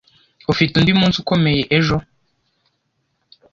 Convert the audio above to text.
Ufite undi munsi ukomeye ejo.